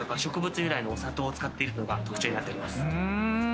由来のお砂糖を使っているのが特徴になっております。